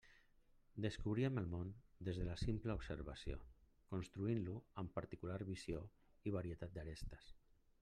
Descobríem el món des de la simple observació, construint-lo amb particular visió i varietat d'arestes.